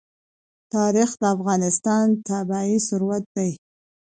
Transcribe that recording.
تاریخ د افغانستان طبعي ثروت دی.